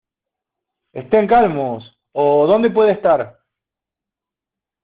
¡ Estén calmos! ¿ oh, dónde puede estar?